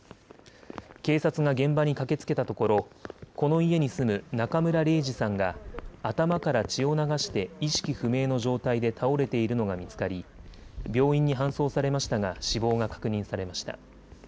警察が現場に駆けつけたところこの家に住む中村礼治さんが頭から血を流して意識不明の状態で倒れているのが見つかり病院に搬送されましたが死亡が確認されました。